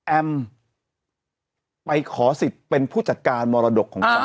แอมไปขอสิทธิ์เป็นผู้จัดการมรดกของเขา